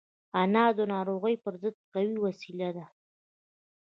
انار د ناروغیو پر ضد قوي وسيله ده.